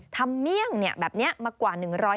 ทำเมี่ยงแบบนี้มากกว่า